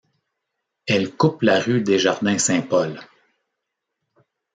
Elle coupe la rue des Jardins-Saint-Paul.